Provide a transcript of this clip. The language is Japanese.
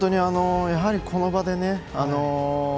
やはり、この場でね